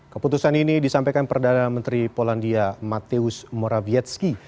keputusan ini disampaikan perdana menteri polandia mateusz morawiecki